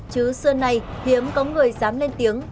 chứ xưa nay hiếm có người dám lên tiếng